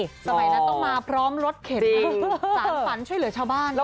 สมัยหน้าต้องมาพร้อมรดเข็ดสารฟันช่วยเหลือชาวบ้านนะจริง